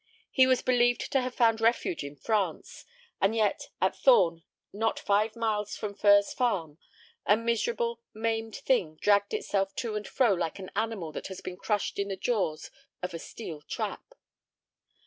He was believed to have found refuge in France, and yet at Thorn, not five miles from Furze Farm, a miserable, maimed thing dragged itself to and fro like an animal that has been crushed in the jaws of a steel trap.